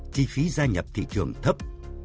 một chi phí gia nhập thị trường thấp